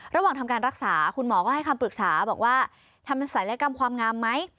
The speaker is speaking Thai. ระหว่างทำการรักษาคุณหมอก็ให้คำปรึกษาบอกว่าทำเป็นศัลยกรรมความงามไหม